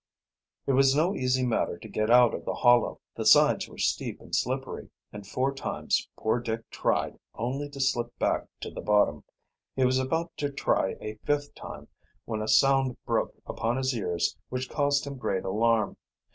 It was no easy matter to get out of the hollow. The sides were steep and slippery, and four times poor Dick tried, only to slip back to the bottom. He was about to try a fifth time, when a sound broke upon his ears which caused him great alarm.